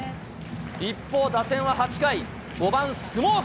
一方、打線は８回、５番スモーク。